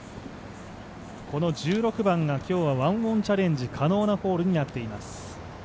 この１６番が今日は１オンチャレンジ可能なホールになっています。